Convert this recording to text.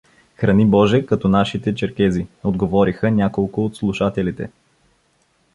— Храни, боже, като нашите черкези — отговориха няколко от слушателите.